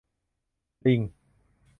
ลิง !